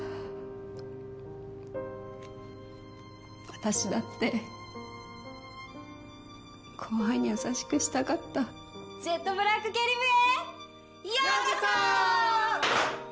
私だって後輩に優しくしたかったジェットブラック経理部へようこそ！